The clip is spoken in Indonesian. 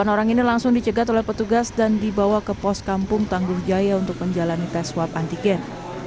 delapan orang ini langsung dicegat oleh petugas dan dibawa ke pos kampung tangguh jaya untuk menjalani tes swab antigen